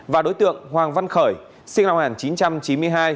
và đối tượng hoàng văn khởi sinh năm một nghìn chín trăm chín mươi hai